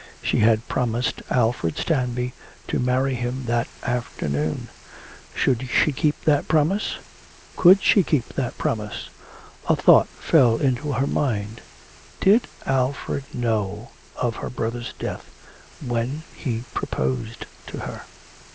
She had promised Alfred Stanby to marry him that afternoon. Should she keep that promise? Could she keep that promise? ... A thought fell into her mind. Did Alfred know of her brother's death when he proposed to her?